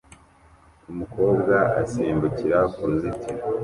umukobwa asimbukira kuruzitiro